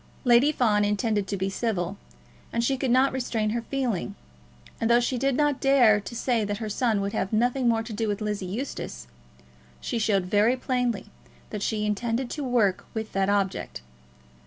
Lady Fawn intended to be civil, but she could not restrain her feeling; and though she did not dare to say that her son would have nothing more to do with Lizzie Eustace, she showed very plainly that she intended to work with that object.